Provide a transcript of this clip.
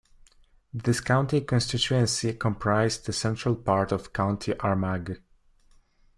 This county constituency comprised the central part of County Armagh.